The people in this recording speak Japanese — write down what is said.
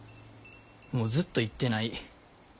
もうずっと行ってない。